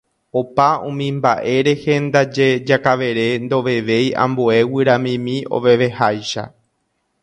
Opa umi mba'e rehe ndaje Jakavere ndovevéi ambue guyramimi oveveháicha.